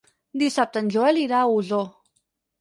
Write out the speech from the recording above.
Dissabte en Joel irà a Osor.